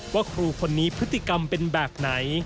ว่าครูคนนี้พฤติกรรมเป็นแบบไหน